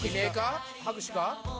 拍手か？」